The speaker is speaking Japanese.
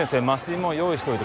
もう用意しておいて